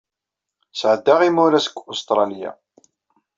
Sɛeddaɣ imuras deg Ustṛalya.